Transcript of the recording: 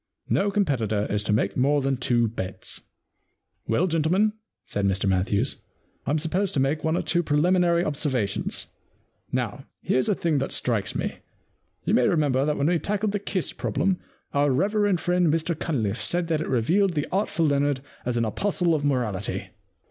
No competitor is to make more than two bets.' * Well, gentlemen,' said Mr Matthews, * Fm supposed to make one or two preliminary 67 The Problem Club observations. Now here's a thing that strikes me. You may remember that when we tackled the Kiss Problem, our reverend friend Mr CunlifFe said that it revealed the artful Leonard as an apostle of morality.